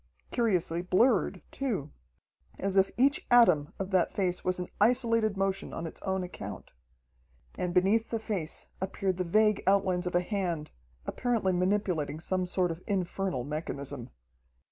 Curiously blurred, too, as if each atom of that face was in isolated motion on its own account. And beneath the face appeared the vague outlines of a hand, apparently manipulating some sort of infernal mechanism.